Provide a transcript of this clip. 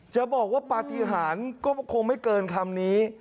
จะบอกว่าปฏิหารก็คงไม่เกินคำนี้